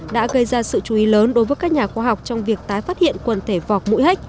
đã gây ra sự chú ý lớn đối với các nhà khoa học trong việc tái phát hiện quần thể vọc mũi hách